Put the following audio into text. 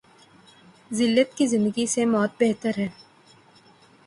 زلت کی زندگی سے موت بہتر ہے۔